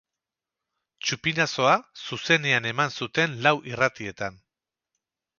Txupinazoa zuzenean eman zuten lau irratietan.